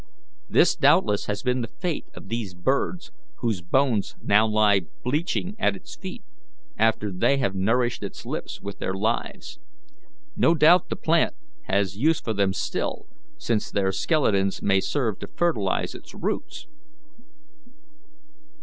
This doubtless has been the fate of these birds, whose bones now lie bleaching at its feet after they have nourished its lips with their lives. No doubt the plant has use for them still, since their skeletons may serve to fertilize its roots."